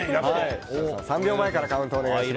３秒前からカウントお願いします。